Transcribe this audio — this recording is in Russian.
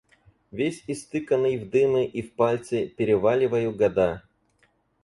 Весь истыканный в дымы и в пальцы, переваливаю года.